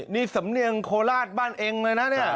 นี่สำเนียงโคราชบ้านเองเลยนะเนี่ย